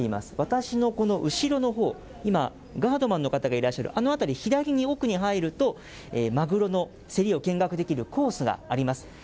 私のこの後ろのほう、今、ガードマンの方がいらっしゃるあの辺り、左の奥に入ると、マグロの競りを見学できるコースがあります。